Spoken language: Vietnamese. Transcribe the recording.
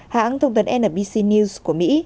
hãng thông tấn nbc news của mỹ